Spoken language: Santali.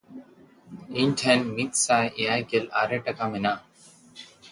ᱤᱧ ᱴᱷᱮᱱ ᱢᱤᱫᱥᱟᱭ ᱮᱭᱟᱭᱜᱮᱞ ᱟᱨᱮ ᱴᱟᱠᱟ ᱢᱮᱱᱟᱜᱼᱟ᱾